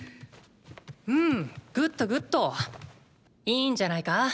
うんグッドグッド！いいんじゃないか？